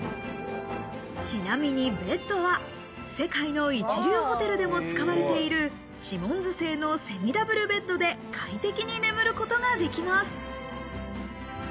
ちなみにベッドは、世界の一流ホテルでも使われているシモンズ製のセミダブルベッドで快適に眠ることができます。